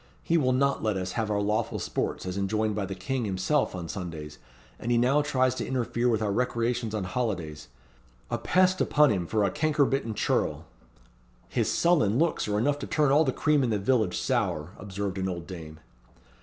He will not let us have our lawful sports as enjoined by the King himself on Sundays, and he now tries to interfere with our recreations on holidays. A pest upon him for a cankerbitten churl!" "His sullen looks are enough to turn all the cream in the village sour," observed an old dame.